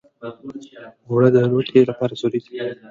اوړه د روتۍ لپاره ضروري دي